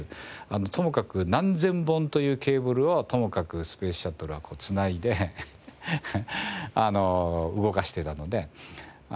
ともかく何千本というケーブルをともかくスペースシャトルは繋いで動かしていたので。